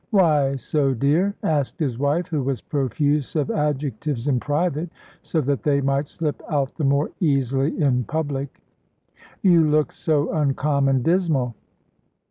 "Why so, dear?" asked his wife, who was profuse of adjectives in private, so that they might slip out the more easily in public. "You look so uncommon dismal."